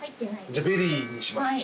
じゃあベリーにします。